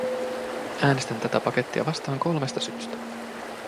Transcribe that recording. Äänestän tätä pakettia vastaan kolmesta syystä.